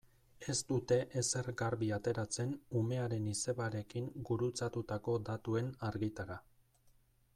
Ez dute ezer garbi ateratzen umearen izebarekin gurutzatutako datuen argitara.